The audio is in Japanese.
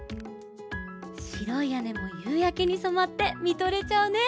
しろいやねもゆうやけにそまってみとれちゃうね。